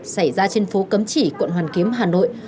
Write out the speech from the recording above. xảy ra trên phố cấm chỉ quận hoàn kiếm hà nội